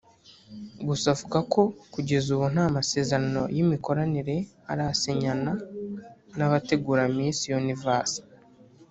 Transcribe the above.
gusa avuga ko kugeza ubu nta masezerano y’imikoranire arasinyana n’abategura Miss Universe